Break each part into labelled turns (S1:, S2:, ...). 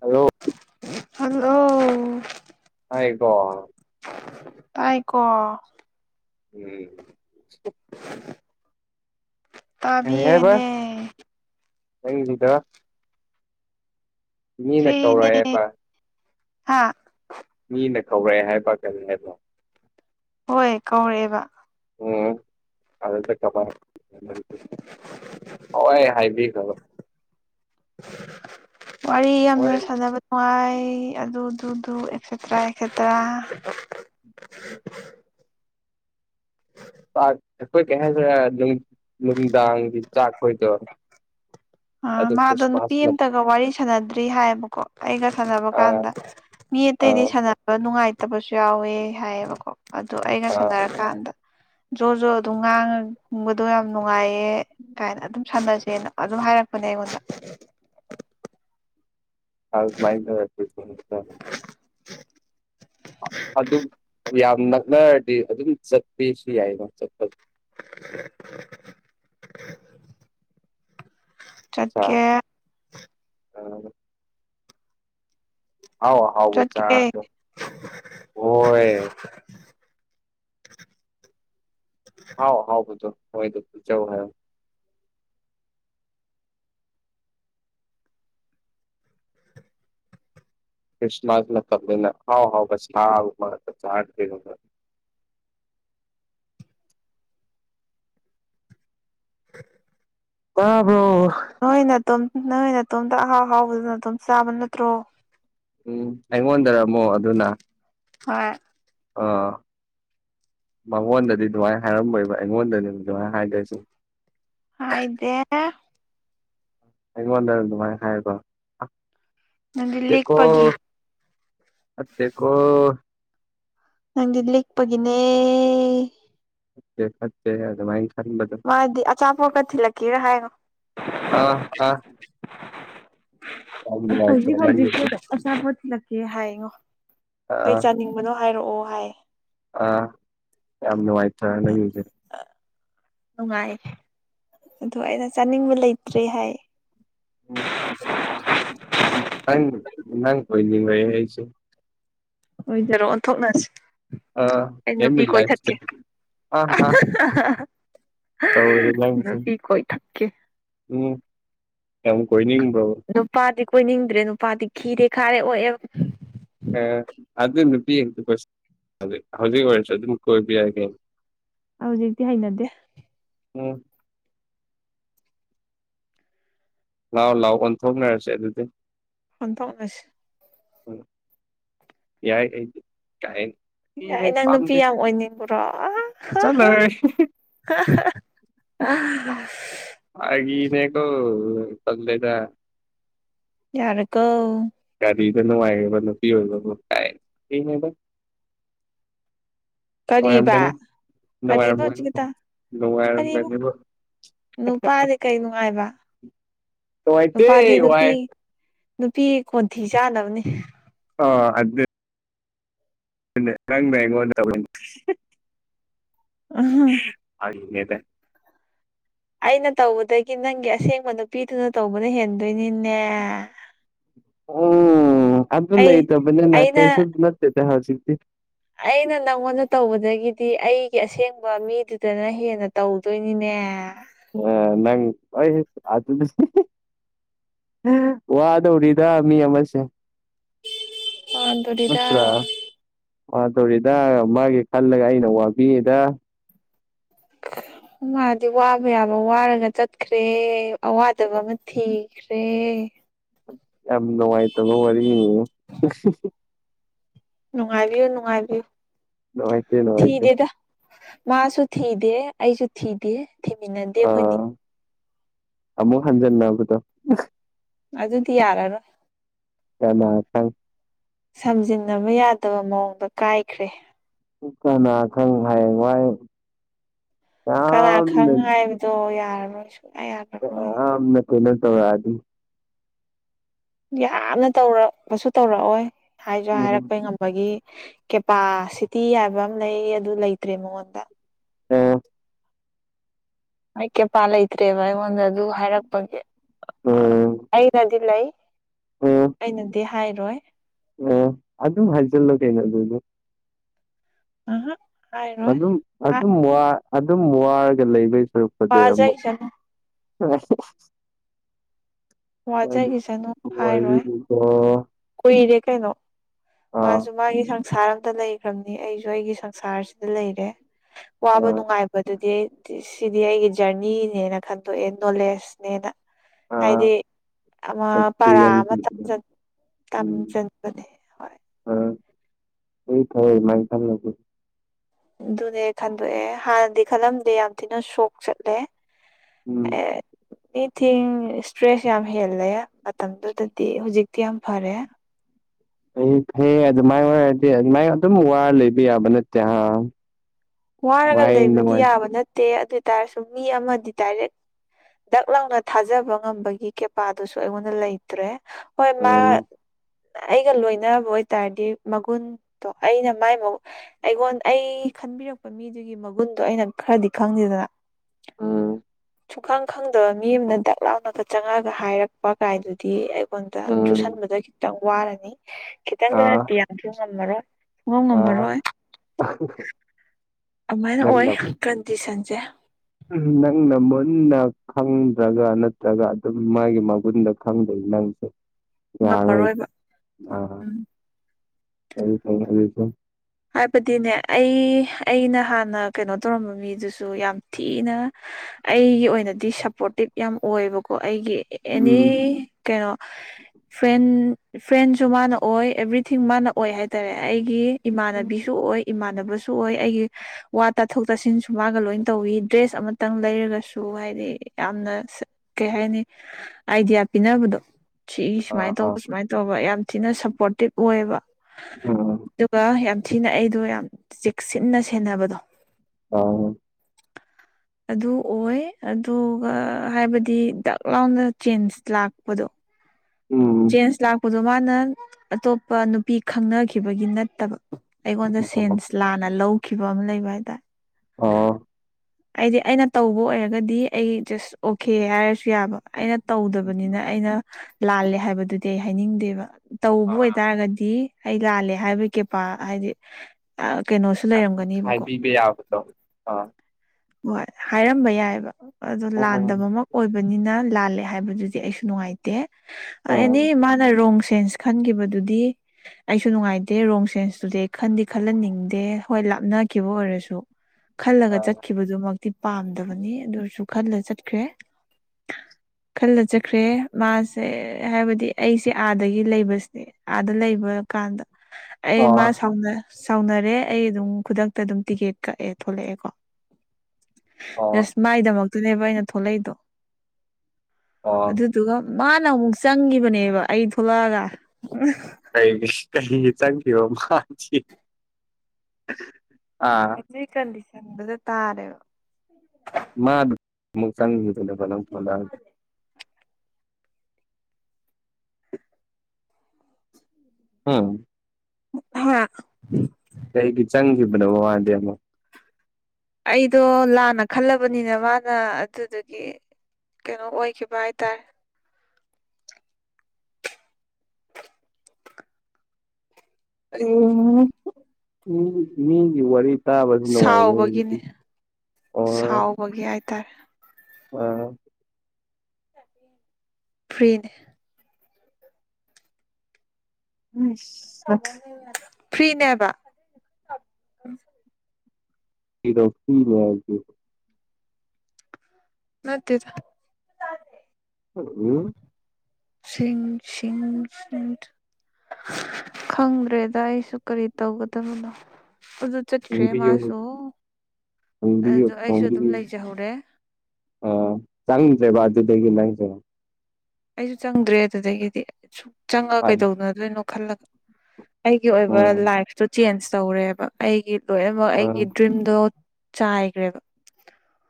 S1: Hello
S2: hello.
S1: ꯑꯩꯀꯣ꯫
S2: ꯇꯥꯏꯀꯣ꯫
S1: ꯎꯝ꯫
S2: ꯇꯥꯕꯤ ꯑꯅꯦ꯫
S1: ꯑꯩꯅꯤꯗ꯫ ꯃꯤꯅ
S2: ꯐ꯭ꯔꯤꯅꯦ
S1: ꯀꯧꯔꯛꯑꯦꯕ꯫
S2: ꯍꯥ꯫
S1: ꯃꯤꯅ ꯀꯧꯔꯛꯑꯦ ꯍꯥꯏꯕ ꯀꯔꯤ ꯍꯥꯏꯕ꯫
S2: ꯍꯣꯏ ꯀꯧꯔꯛꯑꯦꯕ꯫
S1: ꯎꯝ ꯑꯥꯗꯨꯗ꯫ ꯍꯣꯏ ꯍꯥꯏꯕꯤꯈ꯭ꯔꯣ꯫
S2: ꯋꯥꯔꯤ ꯌꯥꯝꯅ ꯁꯥꯟꯅꯕ ꯅꯨꯡꯉꯥꯏ꯫ ꯑꯗꯨꯗꯨꯗꯨ ꯑꯦꯛꯁꯦꯠꯇꯔꯥ ꯑꯦꯛꯁꯦꯠꯇꯔꯥ꯫
S1: ꯆꯥꯛ ꯑꯩꯈꯣꯏ ꯀꯩ ꯍꯥꯏꯗꯔꯦ ꯅꯨꯡꯗꯥꯡꯒꯤ ꯆꯥꯛ ꯈꯣꯏꯗꯣ꯫ ꯑ꯫
S2: ꯃꯥꯗꯣ ꯅꯨꯄꯤ ꯑꯝꯇꯒ ꯋꯥꯔꯤ ꯁꯥꯟꯅꯗ꯭ꯔꯤ ꯍꯥꯏꯌꯦꯕꯀꯣ ꯑꯩꯒ ꯁꯥꯟꯅꯕ
S1: ꯑ
S2: ꯀꯥꯟꯗ ꯃꯤ
S1: ꯑ
S2: ꯑꯇꯩꯗꯤ꯫ ꯁꯥꯟꯅꯕ ꯅꯨꯡꯉꯥꯏꯇꯕꯁꯨ ꯌꯥꯎꯋꯦ ꯍꯥꯏꯌꯦꯕꯀꯣ ꯑꯗꯨ ꯑꯩꯒ
S1: ꯑ
S2: ꯁꯥꯟꯅꯔꯀꯥꯟꯗ꯫ ꯖꯣ ꯖꯣ ꯑꯗꯨꯝ ꯉꯥꯡꯉ ꯕꯗꯣ ꯌꯥꯝ ꯅꯨꯡꯉꯥꯏꯌꯦ ꯀꯥꯏꯅ ꯑꯗꯨꯝ ꯁꯥꯟꯅꯁꯦꯅ ꯑꯗꯨꯝ ꯍꯥꯏꯔꯛꯄ꯫ ꯄꯅꯦ ꯑꯩꯉꯣꯟꯗ꯫
S1: [unintelligible] ꯑꯗꯨꯝ ꯌꯥꯝ ꯅꯛꯅꯔꯗꯤ ꯑꯗꯨꯝ ꯆꯠꯄꯦꯁꯨ ꯌꯥꯏꯅ ꯆꯠꯄ꯫
S2: [unintelligible] ꯆꯠꯀꯦ꯫
S1: ꯑ꯫ ꯍꯥꯎ ꯍꯥꯎꯕ
S2: ꯆꯠꯀꯦ
S1: ꯆꯥꯗ ꯍꯣꯏ꯫
S2: [inaudible]
S1: ꯍꯣꯏꯗꯨ ꯄꯤꯆꯧ ꯍꯥꯏ꯫ ꯈ꯭ꯔꯤꯁꯃꯁ ꯃꯇꯝꯅꯤꯅ ꯍꯥꯎ ꯍꯥꯎ ꯍꯥ ꯃꯔ ꯆ꯫ ꯇꯕꯔꯣ꯫
S2: ꯅꯣꯏ ꯅꯥꯇꯣꯝ ꯅꯣꯏꯅꯇꯣꯝꯇ ꯑꯍꯥꯎ ꯍꯥꯎꯕꯗꯨꯅ ꯑꯗꯨꯝ ꯆꯥꯕ ꯅꯠꯇ꯭ꯔꯣ꯫
S1: ꯎꯝ ꯑꯩꯉꯣꯟꯗꯔꯝꯃꯣ ꯑꯗꯨꯅ꯫
S2: ꯍꯣꯏ꯫
S1: ꯑꯥ꯫ ꯃꯉꯣꯟꯗꯗꯤ ꯑꯗꯨꯃꯥꯏꯅ ꯍꯥꯏꯔꯝꯃꯣꯏꯕ ꯑꯩꯉꯣꯟꯗꯅꯤ ꯑꯗꯨꯃꯥꯏꯅ ꯍꯥꯏꯗꯣꯏꯁ꯫
S2: ꯍꯥꯏꯗꯦ
S1: ꯑꯩꯉꯣꯟꯗꯔ ꯗꯨꯃꯥꯏ ꯍꯥꯏꯕ꯫
S2: ꯅꯪꯗꯤ ꯂꯤꯛꯄꯒꯤ
S1: ꯐꯠꯇꯦ ꯀꯣ꯫
S2: ꯅꯪꯗꯤ ꯂꯤꯛꯄꯒꯤꯅꯦ꯫
S1: ꯐꯠꯇꯦ ꯐꯠꯇꯦ ꯑꯗꯨꯃꯥꯏ꯫
S2: ꯃꯥꯗꯤ ꯑꯆꯥꯄꯣꯠꯀ ꯊꯤꯜꯂꯛꯀꯦꯔ ꯍꯥꯏꯔꯣ꯫
S1: ꯑꯥ ꯑꯥ꯫ ꯌꯥꯝ ꯅꯨꯡꯉꯥꯏꯇ꯭ꯔꯣ
S2: ꯍꯧꯖꯤꯛ ꯍꯧꯖꯤꯛ
S1: ꯅꯪꯒꯤꯁꯦ
S2: ꯑꯁꯥꯄꯣꯠ ꯊꯤꯜꯂꯛ꯫ ꯀꯦ ꯍꯥꯏꯉꯣ ꯀꯩ
S1: ꯑꯥ
S2: ꯆꯥꯅꯤꯡꯕꯅꯣ ꯍꯥꯏꯔꯛꯑꯣ ꯍꯥꯏ
S1: ꯑꯥ ꯌꯥꯝꯅ ꯅꯨꯪꯉꯥꯏꯇꯔ ꯅꯥꯪꯒꯤꯗꯤ꯫
S2: ꯅꯨꯡꯉꯥꯏꯔꯦ ꯑꯗꯣ ꯑꯩꯅ ꯆꯥꯅꯤꯡꯕ ꯂꯩꯇ꯭ꯔꯦ ꯍꯥꯏ꯫
S1: ꯅ ꯀꯣꯏꯅꯤꯉ ꯌꯥꯁꯨ
S2: ꯑꯣꯏꯗꯔꯛꯑꯣ ꯑꯣꯟꯊꯣꯛꯅꯁꯤ
S1: ꯑꯥ
S2: ꯏꯅꯨ
S1: ꯑꯦꯝ
S2: ꯀ
S1: ꯏꯟ
S2: ꯀꯣꯏ
S1: ꯂꯥꯏꯐꯁꯦ
S2: ꯊꯛꯀꯦ
S1: ꯑꯥ ꯑꯥ ꯇꯧꯔꯤ ꯅꯪꯁꯦ
S2: ꯀꯣꯏ ꯊꯛꯀꯦ
S1: ꯌꯥꯝꯃꯨ ꯀꯣꯏꯅꯤ
S2: ꯅꯨꯄꯥꯗꯤ ꯀꯣꯏꯅꯤꯡꯗ꯭ꯔꯦ ꯅꯨꯄꯥꯗꯤ ꯔꯦ ꯈꯥꯔꯦ ꯑꯣꯛꯑꯦ
S1: ꯑ ꯑꯗꯨ ꯑꯗꯨ ꯍꯧꯖꯤꯛ ꯑꯣꯏꯔꯁꯨ ꯑꯗꯨꯝ ꯀꯣꯏꯕ ꯌꯥꯏ ꯀ
S2: ꯍꯧꯖꯤꯛꯇꯤ ꯍꯅꯗꯦ
S1: ꯑꯣ ꯂꯥꯛꯎ ꯂꯥꯛꯑꯣ ꯑꯣꯟꯊꯣꯛꯅꯔꯁꯦ ꯑꯗꯨꯗꯤ
S2: ꯍꯟ ꯇ ꯃꯅꯁꯤ
S1: ꯌꯥ ꯀ
S2: ꯌꯥ ꯅꯪ ꯅꯨꯄꯤ ꯌꯥꯝ ꯑꯣꯏꯅꯤꯡꯕ꯭ꯔꯣ ꯑ
S1: ꯆꯠꯂꯣꯍꯦ ꯄꯜꯂꯦꯗ
S2: ꯌꯥꯔꯀꯣ
S1: ꯗꯅꯨꯡꯉꯕ ꯐꯤ ꯑꯣꯏ ꯅꯨꯡꯉꯥꯏꯔꯝꯒꯅꯤ
S2: ꯀꯔꯤꯕ ꯀꯔꯤꯕ
S1: ꯅꯨꯡꯉꯥꯏꯔꯝꯒꯅꯤ
S2: ꯍꯧꯖꯤꯛꯀꯤꯗꯣ ꯀꯔꯤꯕ
S1: ꯅꯨꯡꯉꯥꯏꯔꯝꯒꯅꯦꯕ
S2: ꯅꯨꯄꯥꯗꯤ ꯀꯩ ꯅꯨꯡꯉꯥꯏꯕ
S1: ꯏ ꯇ
S2: ꯅꯨꯄꯥꯗꯤ
S1: ꯋꯥꯏ
S2: ꯅꯨꯄꯤ ꯅꯨꯄꯤ ꯀꯣꯟꯊꯤ ꯆꯥꯅꯕꯅꯦ
S1: ꯑ ꯑꯗꯨꯗ ꯪ ꯋꯥꯗ
S2: ꯎꯝ
S1: ꯍꯥꯏꯉꯗ
S2: ꯑꯩꯅ ꯇꯧꯕꯗꯒꯤ ꯅꯪꯒꯤ ꯑꯁꯦꯡꯕ ꯅꯨꯄꯤꯗꯨꯅ ꯇꯧꯕꯅ ꯍꯦꯟꯗꯣꯏꯅꯤꯅꯦ
S1: ꯑꯣ ꯑꯗꯨꯗꯂ
S2: ꯑꯩ
S1: ꯂꯩꯇꯕ ꯅꯅ
S2: ꯑꯩꯅ
S1: ꯀꯩꯁꯨꯗ ꯅꯠꯇꯦ ꯇ ꯍꯥ ꯁꯤꯇ
S2: ꯑꯩꯅ ꯅꯪꯉꯣꯟꯗ ꯇꯧꯕꯗꯒꯤꯗꯤ ꯑꯩꯒꯤ ꯑꯁꯦꯡꯕ ꯃꯤꯗꯨꯗꯅ ꯍꯦꯟꯅ ꯇꯧꯗꯣꯏꯅꯤꯅꯦ ꯑꯦ
S1: ꯑ ꯅꯪꯗꯤ ꯋꯥꯗꯧꯔꯤꯗ ꯃꯤ ꯑꯃꯁꯦ
S2: ꯃꯥꯟꯥꯟꯕꯣꯔꯤꯗ
S1: ꯑ ꯇꯣꯔꯤꯗ ꯃꯥꯒꯤ ꯈꯜꯂꯒ ꯑꯩꯅ ꯋꯥꯕꯤꯌꯦꯗ
S2: ꯃꯥꯗꯤ ꯋꯥꯕ ꯌꯥꯕ ꯋꯥꯔꯒ ꯆꯠꯈ꯭ꯔꯦ ꯑꯋꯥꯗꯕ ꯑꯃ ꯊꯤ ꯦ
S1: ꯌꯥꯝ ꯅꯨꯡꯉꯥꯏꯇꯕ ꯋꯥꯔꯤꯅꯤ
S2: ꯅꯨꯡꯉꯥꯏꯕꯤꯌꯨ ꯅꯨꯡꯉꯥꯏꯕꯤꯌꯨ
S1: ꯅꯅꯨꯡꯥꯏꯇ ꯅꯣꯥꯏꯇ
S2: ꯊꯤꯗꯦꯗ ꯃꯥꯁꯨ ꯊꯤꯗꯦ ꯑꯩꯁꯨ ꯊꯤꯗꯦ ꯊꯤꯃꯤꯟꯅꯗꯦ ꯑꯩꯈꯣꯏꯅꯤ
S1: ꯑꯃꯨ ꯈꯥꯟꯖꯅꯕꯨꯗ
S2: ꯑꯗꯨꯗꯤ ꯌꯥꯔꯔ
S1: ꯀꯃ ꯊꯪ
S2: ꯁꯝꯖꯤꯟꯅꯕ ꯌꯥꯗꯕ ꯃꯑꯣꯡꯗ ꯀꯥꯏꯈ꯭ꯔꯦ
S1: ꯀꯅꯥ ꯈꯪ ꯍꯌꯦꯡ ꯋꯥꯏ
S2: ꯀꯅꯥ ꯈꯪ ꯍꯥꯏꯕꯗꯣ ꯌꯥꯔꯔꯣꯏ ꯁꯨꯡꯌꯥ ꯌꯥꯔꯔꯣꯏ
S1: ꯅ ꯇꯧ ꯍꯥꯏꯗꯤ
S2: ꯌꯥꯝꯅ ꯇꯧꯔꯛꯄꯁꯨ ꯇꯧꯔꯛꯑꯣꯏ ꯍꯥꯏꯁꯨ
S1: ꯎꯝ
S2: ꯍꯥꯏꯔꯛꯄ ꯉꯝꯕꯒꯤ ꯀꯦꯄꯥꯁꯤꯇꯤ ꯍꯥꯏꯕ ꯑꯃ ꯂꯩ ꯑꯗꯨ ꯂꯩꯇ꯭ꯔꯦ ꯃꯉꯣꯟꯗ
S1: ꯑꯥ
S2: ꯑꯩ ꯀꯦꯄꯥ ꯂꯩꯇ꯭ꯔꯦꯕ ꯑꯩꯉꯣꯟꯗ ꯑꯗꯨ ꯍꯥꯏꯔꯛꯄꯒꯤ
S1: ꯎꯝ
S2: ꯑꯩꯅꯗꯤ ꯂꯩ ꯑꯩꯅꯗꯤ ꯍꯥꯏꯔꯣꯏ
S1: ꯑ ꯑꯗꯨ ꯍꯜꯖꯜꯂꯒꯦꯅ ꯑꯗꯨ ꯑꯗꯨꯗꯤ
S2: ꯑ
S1: ꯑꯗꯨꯝ ꯑꯗꯨꯝ ꯑꯗꯨꯝ ꯋꯥꯔꯒ ꯂꯩꯕꯩ ꯁꯔꯨꯛꯄꯨꯗꯤ
S2: ꯄꯋꯥꯖꯥꯏ
S1: ꯑꯃꯨꯛ
S2: ꯀꯅꯣ ꯋꯥꯖꯈꯤꯁꯅꯨ ꯍꯥꯏꯔꯣꯏ
S1: [unintelligible]
S2: ꯀꯨꯏꯔꯦ ꯀꯩꯅꯣ
S1: ꯑꯥ
S2: ꯃꯥꯁꯨ ꯃꯥꯒꯤ ꯁꯪꯁꯥꯔ ꯑꯝꯇ ꯂꯩꯈ꯭ꯔꯕꯅꯤ ꯑꯩꯁꯨ ꯑꯩꯒꯤ ꯁꯪꯁꯥꯔꯁꯤꯗ ꯂꯩꯔꯦ ꯋꯥꯕ
S1: ꯑꯥ
S2: ꯅꯨꯡꯉꯥꯏꯕꯗꯨꯗꯤ ꯁꯤꯗꯤ ꯑꯩꯒꯤ ꯖꯔꯅꯤꯅꯦꯅ ꯈꯟꯗꯣꯛꯑꯦ ꯅꯣꯂꯦꯖꯅꯦꯅ
S1: ꯑꯥ
S2: ꯍꯥꯏꯗꯤ ꯑꯃ ꯄꯔꯥ ꯑꯃ
S1: ꯑꯦꯛꯁꯄꯤꯔꯤꯌꯦꯟꯁ ꯎꯝ
S2: ꯀꯝꯆꯟ ꯃꯅꯦ ꯍ
S1: ꯑꯥ ꯑꯩ ꯊꯔ ꯃꯥꯥꯏ ꯊꯝ ꯂ
S2: ꯑꯗꯨꯅꯦ ꯈꯟꯗꯣꯛꯑꯦ ꯍꯥꯟꯅꯗꯤ ꯈꯜꯂꯝꯗꯦ ꯌꯥꯝ ꯊꯤꯅ ꯁꯣꯛ ꯆꯠꯂꯦ
S1: ꯎꯝ
S2: ꯑꯦꯅꯤꯊꯤꯡ ꯏꯁꯇ꯭ꯔꯦꯁ ꯌꯥꯝ ꯍꯦꯜꯂꯦ ꯃꯇꯝꯗꯨꯗꯗꯤ ꯍꯧꯖꯤꯛꯇꯤ ꯌꯥꯝ ꯐꯔꯦ
S1: ꯑꯩ ꯐꯩꯦ ꯑꯗꯨꯃꯥꯏ ꯑꯣꯏꯔꯗꯤ ꯑꯗꯨꯃꯥꯏ ꯑꯗꯨꯝ ꯋꯥꯔ ꯂꯩꯕ ꯌꯥꯕ ꯅꯠꯇꯦ ꯑ
S2: ꯋꯥꯔꯒ ꯂꯩꯕꯗꯤ ꯌꯥꯕ ꯅꯠꯇꯦ ꯑꯗꯨ ꯑꯣꯏꯇꯥꯔꯁꯨ ꯃꯤ ꯑꯃꯗꯤ ꯗꯥꯏꯔꯦꯛ ꯗꯛ ꯂꯥꯎꯅ ꯊꯥꯖꯕ ꯉꯝꯕꯒꯤ ꯀꯦꯄꯥꯗꯨꯁꯨ ꯑꯩꯉꯣꯟꯗ ꯂꯩꯇ꯭ꯔꯦ ꯍꯣꯏ ꯃꯥ
S1: ꯎꯝ
S2: ꯑꯩꯒ ꯂꯣꯏꯅꯕ ꯑꯣꯏꯇꯥꯔꯗꯤ ꯃꯒꯨꯟꯗꯣ ꯑꯩꯅ ꯃꯥꯏ ꯑꯩꯉꯣꯟ ꯑꯩ ꯈꯟꯕꯤꯔꯛꯄ ꯃꯤꯗꯨꯒꯤ ꯃꯒꯨꯟꯗꯣ ꯑꯩꯅ ꯈꯔꯗꯤ ꯈꯪꯗꯦꯗꯅ
S1: ꯎꯝ
S2: ꯁꯨꯡꯈꯪ ꯈꯪꯗꯕ ꯃꯤ ꯑꯃꯅ ꯗꯛ ꯂꯥꯎꯅꯒ ꯆꯪꯉꯛꯒ ꯍꯥꯏꯔꯛꯄ ꯀꯥꯏꯗꯨꯗꯤ ꯣꯟꯗ
S1: ꯎꯝ
S2: ꯆꯨꯁꯟꯕꯗ ꯈꯤꯇꯪ ꯋꯥꯔꯅꯤ
S1: ꯑꯥ
S2: ꯈꯤꯇꯪꯗꯅꯄꯤꯤꯌꯥꯁꯨ ꯉꯝꯃꯔꯣꯏ ꯉ
S1: ꯑꯥ
S2: ꯉꯝꯃꯔꯣꯏ ꯑꯗꯨꯃꯥꯏꯅ ꯑꯣꯏ
S1: ꯅꯪꯅ
S2: ꯀꯟꯗꯤꯁꯟ ꯖꯦ
S1: ꯅꯪꯅ ꯃꯨꯟꯅ ꯈꯪꯗ꯭ꯔꯒ ꯅꯠꯇ꯭ꯔꯒ ꯑꯗꯨꯝ ꯃꯥꯒꯤ ꯃꯒꯨꯟꯗ ꯈꯪꯗꯣꯏꯅ ꯌꯥꯔꯣꯏ
S2: ꯉꯝꯃꯔꯣꯏꯕ
S1: ꯑ
S2: ꯎꯝ
S1: ꯆ ꯊꯔ ꯑꯗꯨꯔꯦꯁꯨ
S2: ꯍꯥꯏꯕꯗꯤꯅꯦ ꯑꯩ ꯑꯩꯅ ꯍꯥꯟꯅ ꯀꯩꯅꯣ ꯇꯧꯔꯝꯕ ꯃꯤꯗꯨꯁꯨ ꯌꯥꯝ ꯊꯤꯅ ꯑꯩꯒꯤ ꯑꯣꯏꯅꯗꯤ ꯁꯞꯄꯣꯔꯇꯤꯞ ꯌꯥꯝ ꯑꯣꯏꯕꯀꯣ ꯑꯩꯒꯤ ꯑꯦꯅꯤ ꯀꯩꯅꯣ ꯐ꯭ꯔꯦꯟ ꯐ꯭ꯔꯦꯟꯁꯨ ꯃꯥꯅ ꯑꯣꯏ ꯑꯦꯚ꯭ꯔꯤꯊꯤꯡ ꯃꯥꯅ ꯑꯣꯏ ꯍꯥꯏꯇꯥꯔꯦ ꯑꯩꯒꯤ ꯏꯃꯥꯟꯅꯕꯤꯁꯨ ꯑꯣꯏ ꯏꯃꯥꯟꯅꯕꯁꯨ ꯁꯨ ꯑꯣꯏ ꯑꯩꯒꯤ ꯋꯥ ꯇꯥꯊꯣꯛ ꯇꯥꯁꯤꯟꯁꯨ ꯃꯥꯒ ꯂꯣꯏꯅ ꯇꯧꯋꯤ ꯗ꯭ꯔꯦꯁ ꯑꯃꯇꯪ ꯂꯩꯔꯒꯁꯨ ꯍꯥꯏꯗꯤ ꯌꯥꯝꯅ ꯀꯩ ꯍꯥꯏꯅꯤ ꯑꯥꯏꯗꯤꯌꯥ ꯄꯤꯅꯕꯗꯣ ꯁꯤꯏ ꯁꯨꯃꯥꯏꯅ ꯇꯧꯕ ꯁꯨꯃꯥꯏꯅ ꯇꯧꯕ ꯌꯥꯝ ꯊꯤꯅ ꯁꯞꯄꯣꯔꯇꯤꯞ ꯑꯣꯏꯌꯦꯕ ꯑꯗꯨꯒ ꯌꯥꯝ ꯊꯤꯅ ꯑꯩꯗꯣ ꯌꯥꯝ ꯆꯦꯛꯁꯤꯟꯅ ꯁꯦꯟꯅꯕꯗꯣ
S1: ꯑꯥ
S2: ꯑꯗꯨ ꯑꯣꯏ ꯑꯗꯨꯒ ꯍꯥꯏꯕꯗꯤ ꯗꯛ ꯂꯥꯎꯅ ꯆꯦꯟꯖ ꯂꯥꯛꯄꯗꯣ ꯆꯦꯟꯖ ꯂꯥꯛꯄꯗꯣ ꯃꯥꯅ ꯑꯇꯣꯞꯄ ꯅꯨꯄꯤ ꯈꯪꯅꯈꯤꯕꯒꯤ ꯅꯠꯇꯕ ꯑꯩꯉꯣꯟꯗ ꯁꯦꯟꯁ ꯂꯥꯟꯅ ꯂꯧꯈꯤꯕ ꯑꯃ ꯂꯩꯕ ꯍꯥꯏꯇꯥꯔꯦ
S1: ꯑꯣ
S2: ꯍꯥꯏꯗꯤ ꯑꯩꯅ ꯇꯧꯕ ꯑꯣꯏꯔꯒꯗꯤ ꯑꯩ ꯖꯁ ꯑꯣꯀꯦ ꯍꯥꯏꯔꯁꯨ ꯌꯥꯕ ꯑꯩꯅ ꯇꯧꯗꯕꯅꯤꯅ ꯑꯩꯅ ꯂꯥꯜꯂꯦ ꯍꯥꯏꯕꯗꯨꯗꯤ ꯑꯩ ꯍꯥꯏꯅꯤꯡꯗꯦꯕ ꯇꯧꯕ ꯑꯣꯏꯇꯥꯔꯒꯗꯤ ꯑꯩ ꯂꯥꯜꯂꯦ ꯍꯥꯏꯕ ꯀꯦ ꯄꯥ ꯍꯥꯏꯗꯤ ꯀꯩꯅꯣꯁꯨ ꯂꯩꯔꯝꯒꯅꯤꯕꯀꯣ
S1: ꯍꯥꯏꯕꯤꯕ ꯌꯥꯕ ꯇꯣ ꯑ
S2: ꯍꯣꯏ ꯍꯥꯏꯔꯝꯕ ꯌꯥꯏꯑꯕ ꯑꯗꯨ
S1: ꯑꯣ
S2: ꯂꯥꯟꯗꯕ ꯑꯃ ꯑꯣꯏꯕ ꯍꯥꯏ
S1: ꯑ
S2: ꯅꯨꯡꯉꯥꯏꯇꯅꯤ ꯈꯟꯈꯤꯕꯗꯨꯗꯤ ꯑꯩꯁꯨ ꯅꯨꯡꯉꯥꯏꯇꯦ ꯔꯣꯡ ꯁꯦꯟꯁꯇꯨꯗꯤ ꯈꯗꯤ ꯈꯜꯍꯟꯅꯤꯡꯗꯦ ꯍꯣꯏ ꯂꯥꯞꯅ ꯈꯤꯕ ꯑꯣꯏꯔꯁꯨ ꯈꯜꯂꯒ ꯆꯠꯈꯤꯕꯗꯨꯃ ꯤ ꯄꯥꯝꯗꯕꯅꯤ ꯑꯗꯨꯔꯁꯨ ꯈꯜꯂ ꯆꯠꯈ꯭ꯔꯦ ꯈꯜꯂꯖꯈ꯭ꯔꯦ ꯃꯥꯁꯦ ꯍꯥꯏꯕꯗꯤ ꯑꯩꯁꯦ ꯑꯥꯗꯒꯤ ꯂꯩꯕꯕꯁꯤꯅꯦ ꯑꯥꯗ ꯂꯩꯕ ꯀꯥꯟꯗ
S1: ꯑ
S2: ꯑꯩꯃ ꯆꯥꯎꯗ ꯁꯥꯎꯅꯔꯦ ꯑꯩ ꯑꯗꯨꯝ ꯈꯨꯗꯛꯇ ꯑꯗꯨꯝ ꯇꯤꯀꯦꯠ ꯀꯛꯑꯦ ꯊꯣꯛꯂꯛꯑꯦ ꯀꯣ ꯖꯁ ꯃꯥꯏꯗꯃꯛꯇꯅꯦꯕ ꯑꯩꯅ ꯊꯣꯛꯂꯛꯏꯗꯣ
S1: ꯑ
S2: ꯑꯗꯨꯗꯨꯒ ꯃꯥꯅ ꯑꯃꯨꯛ ꯆꯪꯈꯤꯕꯅꯦꯕ ꯑꯩ ꯊꯣꯛꯂꯛꯑꯒ
S1: ꯀ ꯀꯩꯒꯤ ꯆꯪꯈꯤꯕ ꯃꯥꯁꯤ ꯑꯥ
S2: ꯑꯗꯨ ꯀꯟꯁꯟꯗꯨꯗ ꯇꯥꯔꯦꯕ
S1: ꯃꯥ ꯑꯗ ꯃ ꯆꯥꯡꯂꯤꯅꯦ ꯐ ꯊ ꯑꯥ
S2: ꯍꯥꯥ
S1: ꯀꯩꯒꯤ ꯆꯪꯈꯤꯕꯅꯣ ꯃꯃꯗꯤ ꯑꯃꯨꯛ
S2: ꯑꯩꯗꯣ ꯂꯥꯟꯅ ꯈꯜꯂꯕꯅꯤꯅ ꯃꯥꯅ ꯑꯗꯨꯗꯨꯒꯤ ꯀꯩꯅꯣ ꯑꯣꯏꯈꯤꯕ ꯍꯥꯏꯇꯥꯔꯦ
S1: ꯑ ꯃꯤ ꯃꯤꯒꯤ ꯋꯥꯔꯤꯔꯤ ꯆꯕꯅꯅꯨꯡ ꯍꯥꯏꯏ
S2: ꯁꯥꯎꯕꯒꯤꯅꯦ
S1: ꯑꯣ
S2: ꯇꯔ
S1: ꯑꯥ
S2: ꯐ꯭ꯔꯔꯤꯅꯦ ꯐ꯭ꯔꯤꯅꯦꯕ
S1: ꯐꯔꯣꯤ
S2: ꯃꯠꯇꯗ
S1: ꯍꯂ ꯎꯝ
S2: ꯁꯤꯡ ꯁꯤꯡꯁꯤꯡ ꯈꯪꯗ꯭ꯔꯦꯗ ꯑꯩꯁꯨ ꯀꯔꯤ ꯇꯧꯒꯗꯕꯅꯣ ꯑꯗꯨ ꯆꯠꯈ꯭ꯔꯦ ꯃꯥꯁꯨ
S1: ꯊꯪꯕꯤꯌꯨ
S2: ꯑꯗꯨ ꯑꯩꯁꯨ ꯑꯗꯨꯝ
S1: ꯊꯣꯡꯕꯤꯌꯨ
S2: ꯂꯩꯖꯍꯧꯔꯦ
S1: ꯑ ꯆꯥꯡꯁꯦꯕ ꯂꯩꯒꯖꯔꯣ
S2: ꯑꯩꯁꯨ ꯆꯪꯗ꯭ꯔꯦ ꯑꯗꯨꯗꯒꯤꯗꯤ ꯁꯨꯝ ꯆꯪꯉꯒ
S1: ꯍꯣꯏ
S2: ꯀꯩꯗꯧꯅꯗꯣꯏꯅꯣ ꯈꯜꯂꯒ ꯑꯩꯒꯤ ꯑꯣꯏꯕ
S1: ꯎꯝ
S2: ꯂꯥꯏꯐꯇꯨ ꯆꯦꯟꯖ ꯇꯧꯔꯦꯕ ꯑꯩꯒꯤ ꯂꯣꯏꯅꯃꯛ
S1: ꯑ
S2: ꯑꯩꯒꯤ ꯗ꯭ꯔꯤꯝꯗꯣ ꯆꯥꯏꯈ꯭ꯔꯦꯕ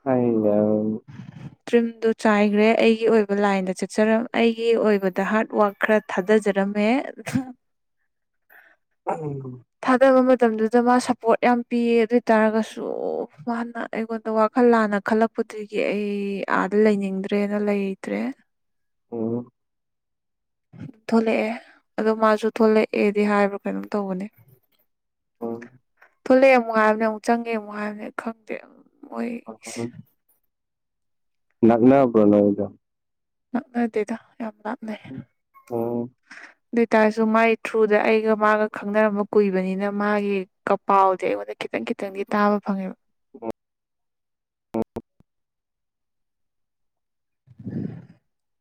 S1: ꯍꯥꯏꯗ
S2: ꯇ꯭ꯔꯤꯝꯗꯨ ꯆꯥꯏꯈ꯭ꯔꯦ ꯑꯩꯒꯤ ꯑꯣꯏꯕ ꯂꯥꯏꯟꯗ ꯆꯠꯆꯔꯝ ꯑꯩꯒꯤ ꯑꯣꯏꯕꯗ ꯍꯥꯔꯗ ꯋꯥꯔꯛ ꯈꯔ ꯊꯥꯗ ꯇꯔꯃꯦ
S1: ꯀ
S2: ꯆꯅꯕ ꯃꯇꯝꯗꯨꯗ ꯃꯥ ꯁꯞꯄꯣꯔꯠ ꯌꯥꯝ ꯄꯤꯌꯦ ꯑꯗꯨ ꯑꯣꯏꯇꯥꯥꯔꯒꯁꯨ ꯃꯥꯅ ꯑꯩꯉꯣꯟꯗ ꯋꯥꯈꯜ ꯂꯥꯟꯅ ꯈꯜꯂꯛꯄ ꯑꯗꯨꯒꯤ ꯑꯩ ꯑꯥꯗ ꯂꯩꯅꯤꯡꯗ꯭ꯔꯦꯅ ꯂꯩꯇ꯭ꯔꯦ
S1: ꯑꯣ
S2: ꯊꯣꯛꯂꯛꯑꯦ ꯑꯗꯣ ꯃꯥꯁꯨ ꯊꯂꯛꯑꯦꯗꯤ ꯍꯥꯏꯕ꯭ꯔꯥ ꯀꯩꯅꯣꯝ ꯇꯧꯕꯅꯤ
S1: ꯑ
S2: ꯊꯨꯜꯂꯛꯑꯦ ꯑꯃꯨꯛꯉꯥꯏꯕꯅꯦ ꯑꯃꯨꯛ ꯆꯪꯉꯦ ꯑꯃꯨꯛꯉꯥꯏꯕꯅꯦ ꯈꯪꯗꯦ ꯃꯣꯏꯁꯦ
S1: ꯅꯛꯅ ꯄ꯭ꯔꯅꯣꯏꯗ
S2: ꯂꯞꯅꯗꯦꯗ ꯌꯥꯝ ꯂꯥꯞꯅꯩ
S1: ꯎꯝ
S2: ꯑꯗꯨꯇꯥꯔꯁꯨ ꯃꯥꯒꯤ ꯊ꯭ꯔꯨꯗ ꯑꯩꯒ ꯃꯥꯒ ꯈꯪꯅꯔꯝꯕ ꯀꯨꯏꯕꯅꯤꯅ ꯃꯥꯒꯤꯒ ꯄꯥꯎꯗꯤ ꯑꯩꯉꯣꯟꯗ ꯈꯤ ꯈꯤꯇꯪ ꯈꯤꯇꯪꯗꯤ ꯇꯥꯕ ꯐꯪꯉꯦꯕ
S1: [inaudible]
S2: [inaudible]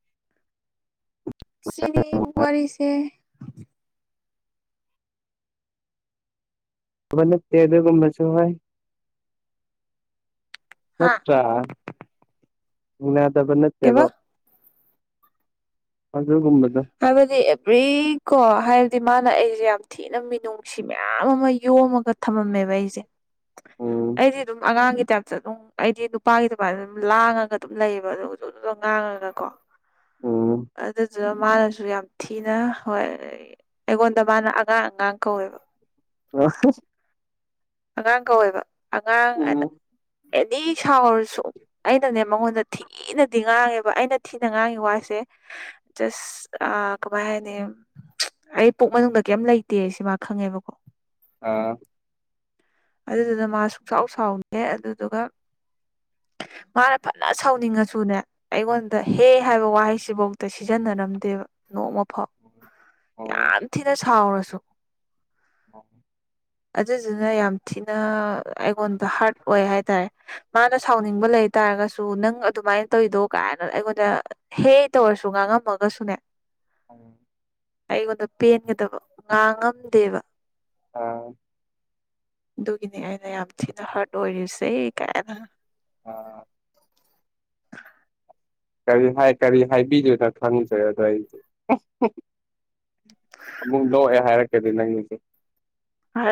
S2: ꯆꯅꯤ ꯋꯥꯔꯤꯁ
S1: ꯑ ꯅ ꯄꯦꯕꯒꯨꯝꯕꯁꯨꯥꯏ
S2: ꯍꯥ
S1: ꯅꯠꯇ꯭ꯔꯥ ꯌꯥꯗꯕ ꯅꯠꯇꯦꯕ
S2: ꯀꯩꯕ
S1: ꯑꯗꯨꯒꯨꯝꯕꯗꯣ
S2: ꯍꯥꯏꯕꯗꯤ ꯑꯦꯕ꯭ꯔꯤ ꯀꯣ ꯍꯥꯏ ꯑꯗꯨ ꯃꯥꯅ ꯑꯩꯁꯦ ꯌꯥꯝ ꯊꯤꯅ ꯃꯤꯅꯨꯡꯁꯤ ꯃꯌꯥꯝ ꯑꯃ ꯌꯣꯝꯃꯒ ꯊꯝꯃꯝꯃꯦꯕ ꯑꯩꯁꯦ
S1: ꯎꯝ
S2: ꯑꯩꯗꯤ ꯑꯗꯨꯉꯥꯡ ꯇꯥꯏꯞꯇ ꯑꯗꯨꯝ ꯑꯩꯗꯤ ꯅꯨꯄꯥꯒꯤ ꯑꯗꯨꯃꯥꯏꯅ ꯑꯗꯨꯝ ꯂꯥꯡꯉꯒ ꯑꯗꯨꯝ ꯂꯩꯌꯦꯕ ꯑꯗꯨꯖꯖ ꯉꯥꯡꯉꯒ ꯀꯣ
S1: ꯎꯝ
S2: ꯑꯗꯁꯨ ꯁꯨ ꯌꯥꯝ ꯊꯤꯅ ꯍꯣꯏ ꯑꯩꯉꯣꯟꯗ ꯃꯥꯅ ꯑꯉꯥꯡ ꯑꯉꯥꯡ ꯀꯧꯋꯦꯕ
S1: ꯑ
S2: ꯑꯉꯥꯡ ꯀꯧꯋꯦꯕ ꯑꯉꯥꯡ ꯍꯥꯏꯅ ꯑꯦꯅꯤ ꯁꯥꯎꯔꯁꯨ ꯑꯩꯅꯅꯦ ꯃꯉꯣꯟꯗ ꯊꯤꯅꯗꯤ ꯉꯥꯡꯉꯦꯕ ꯑꯩꯅ ꯊꯤꯅ ꯉꯥꯡꯉꯤ ꯋꯥꯁꯦ ꯆꯁ ꯑ ꯀꯕꯥꯍꯤꯅꯦ ꯑꯩ ꯄꯨꯛ ꯃꯅꯨꯡꯗ ꯀꯩꯝ ꯂꯩꯇꯦ ꯁꯤ ꯃꯥ ꯈꯪꯉꯦꯕꯀꯣ
S1: ꯑꯥ
S2: ꯑꯗꯨꯗꯨꯅ ꯃꯥ ꯁꯨꯡꯆꯥꯎ ꯁꯥꯎꯅꯤ ꯑꯗꯨꯗꯨꯒ
S1: [unintelligible]
S2: ꯃꯥꯅ ꯐꯖꯅ ꯁꯥꯎꯅꯤꯡꯉꯁꯨꯅꯦ ꯑꯩꯉꯣꯟꯗ ꯍꯦ ꯍꯥꯏꯕ ꯋꯥꯍꯩꯁꯤꯐꯧꯗ ꯁꯤꯖꯤꯟꯅꯔꯝꯗꯦ ꯅꯣꯡꯃ ꯐ
S1: ꯑꯣ ꯑ ꯑ
S2: ꯌꯥꯝ ꯊꯤꯅ ꯁꯥꯎꯔꯁꯨ ꯁꯤꯁꯤꯅ ꯌꯥꯝ ꯊꯤꯅ ꯑꯩꯉꯣꯟꯗ ꯍꯥꯔꯗ ꯑꯣꯏ ꯍꯥꯏꯇꯥꯔꯦ ꯃꯥꯅ ꯁꯥꯎꯅꯤꯡꯕ ꯂꯩꯇꯥꯥꯔꯒ ꯁ ꯅꯪ ꯑꯗꯨꯃꯥꯏꯅ ꯇꯧꯔꯤꯗꯣ ꯀꯥꯏꯅ ꯑꯩꯉꯣꯟꯗ ꯍꯦ ꯇꯧꯔꯁꯨ ꯉꯥꯡꯉꯝꯃꯒꯁꯨꯅꯦ
S1: ꯑ
S2: ꯑꯩꯉꯣꯟꯗ ꯄꯦꯟꯒꯗꯕ ꯉꯥꯡꯉꯝꯗꯦꯕ
S1: ꯑꯥ
S2: ꯑꯗꯨꯒꯤꯅꯤ ꯑꯩꯅ ꯌꯥꯝ ꯊꯤꯅ ꯍꯥꯔꯠ ꯑꯣꯏꯔꯤꯁꯦ ꯀꯥꯏꯅ
S1: ꯑꯥ ꯀꯔꯤ ꯍꯥꯏ ꯀꯔꯤ ꯍꯥꯏꯕꯤꯔꯤꯅ ꯈꯪꯖꯩ ꯑꯗ ꯑꯩꯗꯤ ꯑꯃꯨꯛ ꯂꯣꯛꯑꯦ ꯍꯥꯏꯔꯛꯀꯦꯗꯤ ꯅꯪꯒꯤꯁ
S2: ꯍꯥꯏꯔ